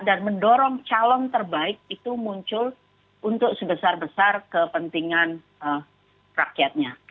dan mendorong calon terbaik itu muncul untuk sebesar besar kepentingan rakyatnya